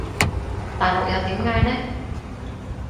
大陸又點嗌呢？